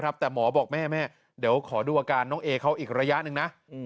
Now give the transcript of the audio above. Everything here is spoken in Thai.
แต่หมอบอกแม่แม่เดี๋ยวขอดูอาการน้องเอเขาอีกระยะหนึ่งนะ